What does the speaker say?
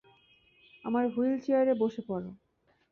আমার হুইলচেয়ারে বসে পড়।